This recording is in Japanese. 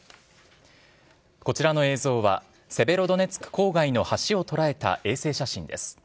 こちらの映像は、セベロドネツク郊外の橋を捉えた衛星写真です。